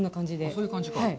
そういう感じか。